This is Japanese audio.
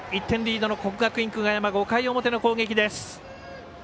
１点リードの国学院久我山５回表の攻撃です。